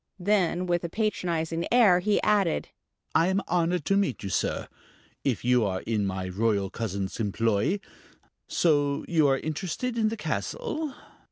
Then with a patronizing air he added: "I am honored to meet you, sir, if you are in my royal cousin's employ. So, you are interested in the castle?"